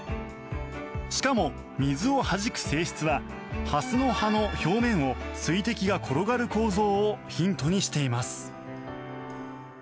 しかも、水をはじく性質はハスの葉の表面を水滴が転がる構造をヒントにしています。